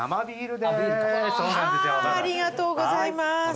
ありがとうございます。